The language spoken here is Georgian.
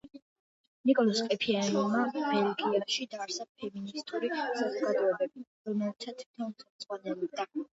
ნიკოლოზ ყიფიანმა ბელგიაში დააარსა ფემინისტური საზოგადოებები, რომელთაც თვითონ ხელმძღვანელობდა.